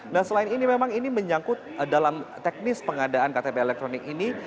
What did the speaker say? nah selain ini memang ini menyangkut dalam teknis pengadaan ktp elektronik ini